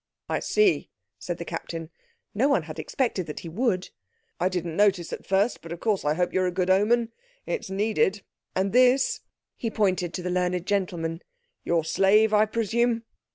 "I see," said the Captain; no one had expected that he would. "I didn't notice at first, but of course I hope you're a good omen. It's needed. And this," he pointed to the learned gentleman, "your slave, I presume?"